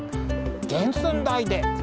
原寸大で！